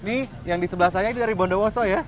nih yang di sebelah saya itu dari bondowoso ya